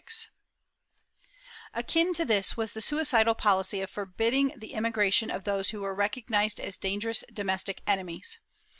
378 MORISCOS [Book VIII Akin to this was the suicidal policy of forbidding the emigration of those who were recognized as dangerous domestic enemies.